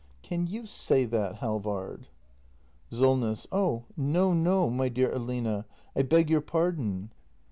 ] Can you say that, Halvard ? Solness. Oh, no, no, my dear Aline; I beg your pardon.